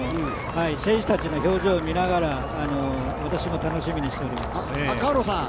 選手たちの表情見ながら私も楽しみにしております。